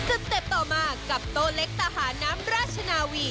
สเต็ปต่อมากับโต๊ะเล็กทหารน้ำราชนาวี